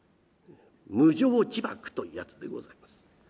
無縄自縛というやつでございます。